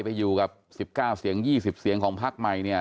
ไปอยู่กับ๑๙เสียง๒๐เสียงของพักใหม่เนี่ย